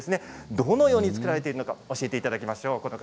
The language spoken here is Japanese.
どのように作られてるのか教えていただきます。